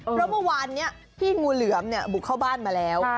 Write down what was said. เพราะเมื่อวานนี้พี่งูเหลือมบุกเข้าบ้านมาแล้ว